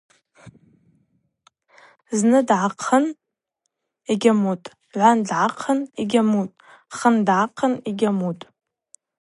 Зны дгӏахъын – йгьамуытӏ, гӏван дгӏахъын – йгьамуытӏ, хын дгӏахъын – йгьамуытӏ.